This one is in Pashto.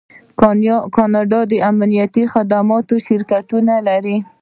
کاناډا د امنیتي خدماتو شرکتونه لري.